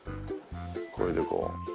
これでこう。